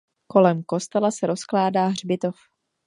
Kolem kostela se rozkládá hřbitov.